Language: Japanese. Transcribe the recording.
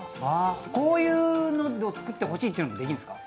こういうのを作ってほしいってできるんですか？